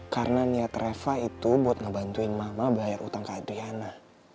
karena niat reva itu buat ngebantuin mama bayar utang ke adriana